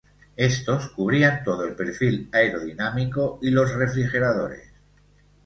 Estos cubrían todo el perfil aerodinámico y los refrigeradores.